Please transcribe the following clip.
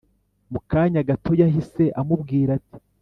mukanya gato yahise amubwira ati: